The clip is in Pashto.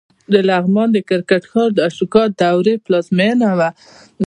د لغمان د کرکټ ښار د اشوکا د دورې پلازمېنه وه